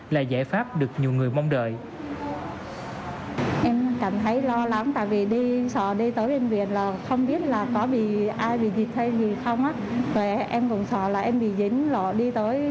là giải pháp được nhiều người mong đợi